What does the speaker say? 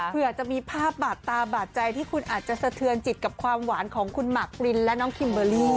เผื่อจะมีภาพบาดตาบาดใจที่คุณอาจจะสะเทือนจิตกับความหวานของคุณหมากปรินและน้องคิมเบอร์รี่